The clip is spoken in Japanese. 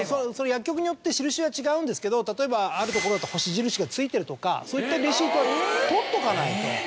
薬局によって印は違うんですけど例えばある所だと星印がついてるとかそういったレシートは取っとかないと。